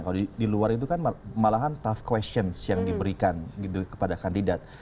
kalau di luar itu kan malahan tough questions yang diberikan gitu kepada kandidat